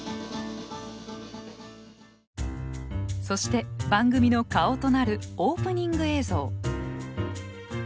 そして番組の顔となるオープニング映像。